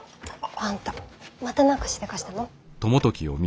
あんたまた何かしでかしたの。